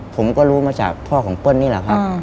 ผมก็รู้มาจากพ่อของเปิ้ลนี่แหละครับ